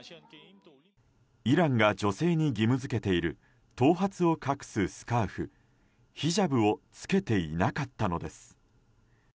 イランが女性に義務付けている頭髪を隠すスカーフヒジャブを着けていなかったのです。